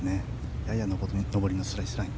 やや上りのスライスライン。